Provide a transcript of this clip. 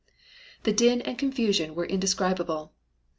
"The din and confusion were indescribable.